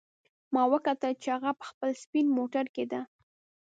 ما وکتل چې هغه په خپل سپین موټر کې ده